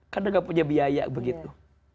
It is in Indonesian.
karena tidak punya biaya begitu